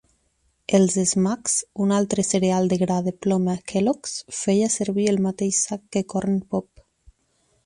Els Smacks, un altre cereal de gra de ploma Kellogg's, feia servir el mateix sac que Corn Pop.